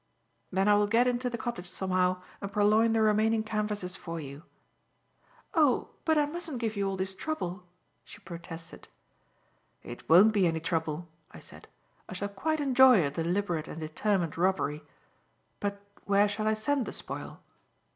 "Then I will get into the cottage somehow and purloin the remaining canvases for you." "Oh, but I mustn't give you all this trouble," she protested. "It won't be any trouble," I said. "I shall quite enjoy a deliberate and determined robbery. But where shall I send the spoil?"